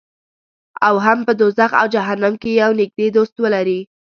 او هم په دوزخ او جهنم کې یو نږدې دوست ولري.